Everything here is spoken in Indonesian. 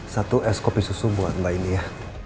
satu es kopi susu buat mbak ini ya